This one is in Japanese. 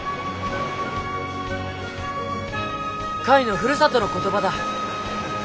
カイのふるさとの言葉だ。